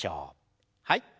はい。